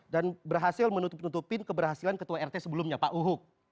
dan berhasil menutup tutupin keberhasilan ketua rt sebelumnya pak uhuk